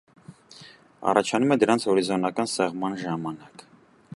Առաջանում է դրանց հորիզոնական սեղմման ժամանակ։